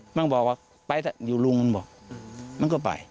มันก็บอกว่าไปใส่เดี๋ยวลุงก็ไป